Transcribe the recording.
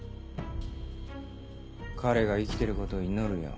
彼が生きてることを祈るよ。